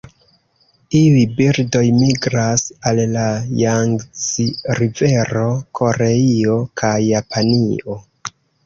Iuj birdoj migras al la Jangzi-rivero, Koreio, kaj Japanio.